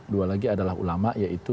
dua lagi adalah ulama yaitu